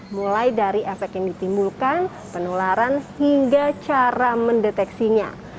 mulai dari efek yang ditimbulkan penularan hingga cara mendeteksinya